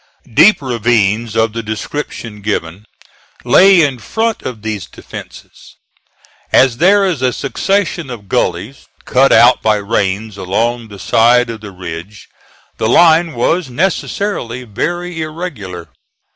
Deep ravines of the description given lay in front of these defences. As there is a succession of gullies, cut out by rains along the side of the ridge, the line was necessarily very irregular.